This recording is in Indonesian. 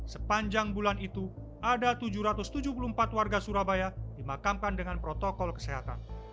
sepanjang bulan itu ada tujuh ratus tujuh puluh empat warga surabaya dimakamkan dengan protokol kesehatan